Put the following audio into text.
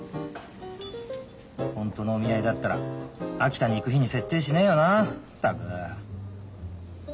ホントのお見合いだったら秋田に行く日に設定しねえよなあったく。